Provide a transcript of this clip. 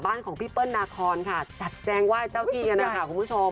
บ้านของพี่เปิ้ลนาคอนค่ะจัดแจงไหว้เจ้าที่คุณผู้ชม